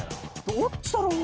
どっちだろうな。